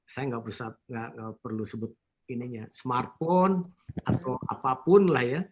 saya tidak perlu sebut smartphone atau apapun